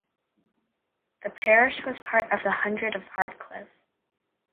The parish was part of the hundred of Hartcliffe.